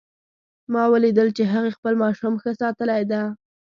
ما ولیدل چې هغې خپل ماشوم ښه ساتلی ده